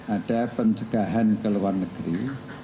ada pencegahan ke luar negeri